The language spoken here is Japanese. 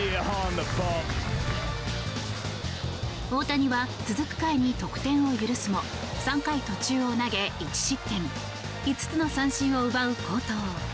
大谷は続く回に得点を許すも３回途中を投げ１失点５つの三振を奪う好投。